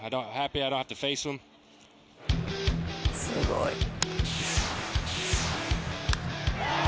すごい。